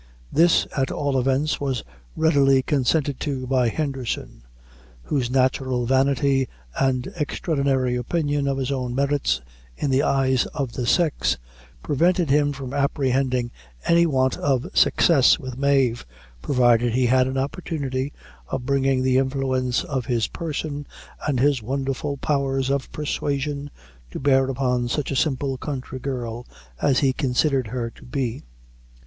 This, at all events, was readily consented to by Henderson, whose natural vanity and extraordinary opinion of his own merits in the eyes of the sex, prevented him from apprehending any want of success with Mave, provided he had an opportunity of bringing the influence of his person, and his wonderful powers of persuasion, to bear upon such a simple country girl as he considered her to be.